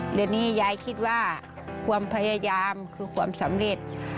เดี๋ยวนี้ยายคิดว่าความพยายามคือความสำเร็จ